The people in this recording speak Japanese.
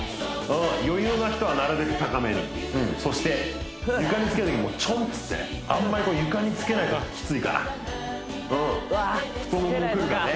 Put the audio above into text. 余裕な人はなるべく高めにそして床につけるときもチョンつってあんまり床につけないきついからうんわあつけないのか太モモにくるからね